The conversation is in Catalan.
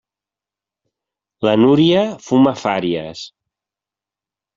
La Núria fuma fàries.